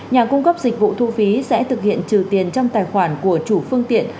nhà cung cấp dịch vụ thu phí sẽ thực hiện trừ tiền trong tài khoản của chủ phương tiện